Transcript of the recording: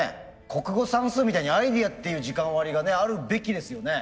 国語算数みたいにアイデアっていう時間割りがねあるべきですよね。